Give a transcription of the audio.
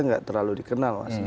nggak terlalu dikenal